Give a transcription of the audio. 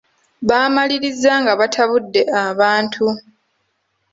Baamaliriza nga batabudde abantu.